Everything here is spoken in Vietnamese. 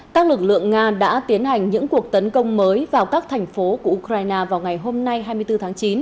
các lực lượng nga đã tiến hành những cuộc tấn công mới vào các thành phố của ukraine vào ngày hôm nay hai mươi bốn tháng chín